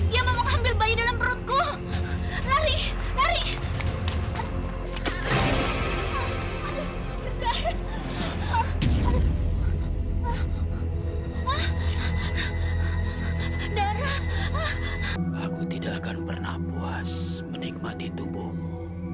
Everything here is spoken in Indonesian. jangan pernah puas menikmati tubuhmu